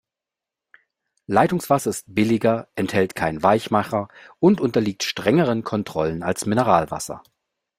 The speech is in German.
Leitungswasser ist billiger, enthält keinen Weichmacher und unterliegt strengeren Kontrollen als Mineralwasser.